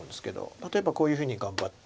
例えばこういうふうに頑張って。